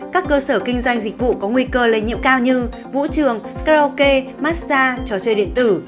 các cơ sở kinh doanh dịch vụ có nguy cơ lây nhiễm cao như vũ trường karaoke massage trò chơi điện tử